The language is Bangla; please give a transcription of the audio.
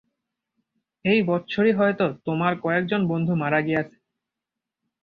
এই বৎসরই হয়তো তোমার কয়েকজন বন্ধু মারা গিয়াছেন।